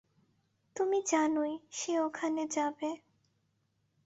তুমি জানোই, সে ওখানে যাবে।